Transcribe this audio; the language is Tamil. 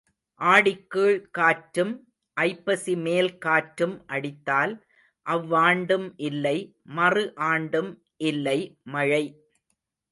ஆடிக் கீழ்காற்றும் ஐப்பசி மேல்காற்றும் அடித்தால் அவ்வாண்டும் இல்லை, மறு ஆண்டும் இல்லை மழை.